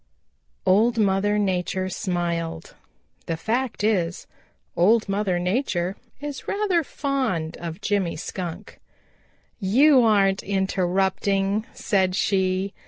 Old Mother Nature smiled. The fact is, Old Mother Nature is rather fond of Jimmy Skunk. "You aren't interrupting," said she.